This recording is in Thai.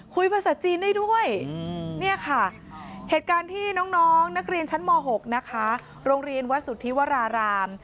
ภาษาจีนได้ด้วยเนี่ยค่ะเหตุการณ์ที่น้องนักเรียนชั้นม๖นะคะโรงเรียนวัดสุธิวราราม